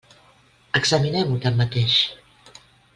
Examinem-ho, tanmateix.